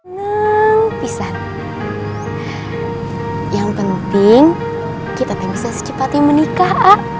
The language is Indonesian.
neng pisat yang penting kita bisa secepat yang menikah